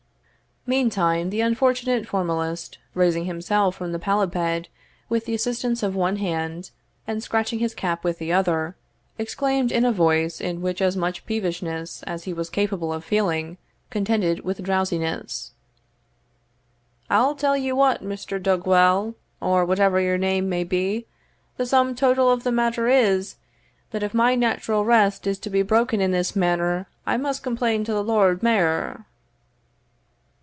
Meantime, the unfortunate formalist, raising himself from the pallet bed with the assistance of one hand, and scratching his cap with the other, exclaimed in a voice in which as much peevishness as he was capable of feeling, contended with drowsiness, "I'll tell you what, Mr. Dug well, or whatever your name may be, the sum total of the matter is, that if my natural rest is to be broken in this manner, I must complain to the lord mayor."